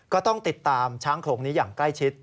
ก็ต้องติดตามช้างโขลงนี้อย่างใกล้ชิด